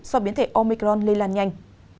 do biến thể omicron lây lan nhanh